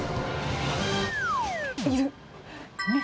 いる！